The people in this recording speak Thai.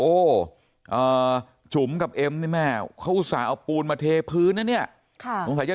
จุ๋มกับเอ็มนี่แม่เขาอุตส่าห์เอาปูนมาเทพื้นนะเนี่ยสงสัยจะ